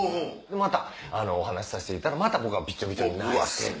またお話しさせていただいてたらまた僕ビチョビチョに泣いて。